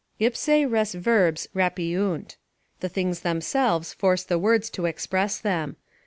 "Ipsae res verbs rapiunt." ["The things themselves force the words to express them."